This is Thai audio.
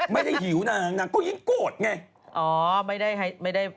ไม่ได้หิวนางก็ยิ่งโกรธไง